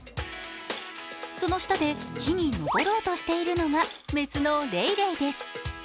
その下で木に登ろうとしているのが雌のレイレイです。